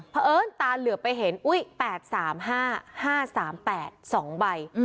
พอเอิ้นตาเหลือไปเห็น๘๓๕๕๓๘๒ใบ